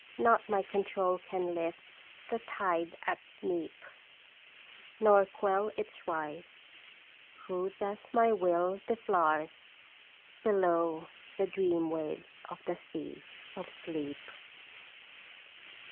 Not my control can lift the tide at neap, Nor quell its rise. Who thus my will deflours Below the dream waves of the sea of Sleep